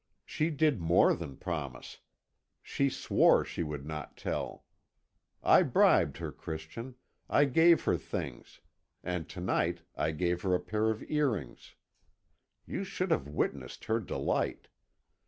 She did more than promise she swore she would not tell. I bribed her, Christian I gave her things, and to night I gave her a pair of earrings. You should have witnessed her delight!